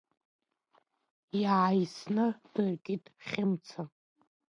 Иааисны дыркит Хьымца.